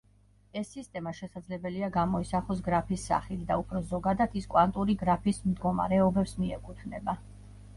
ეს სისტემა შესაძლებელია გამოისახოს გრაფის სახით და უფრო ზოგადად ის კვანტური გრაფის მდგომარეობებს მიეკუთვნება.